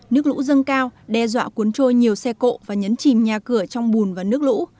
nước lũ dâng cao đe dọa cuốn trôi nhiều xe cộ và nhấn chìm nhà cửa trong bùn và nước lũ